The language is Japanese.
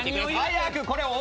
早く！